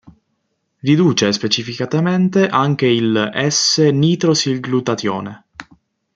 Riduce specificamente anche il "S"-nitrosilglutatione.